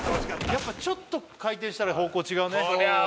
やっぱちょっと回転したら方向違うねこりゃー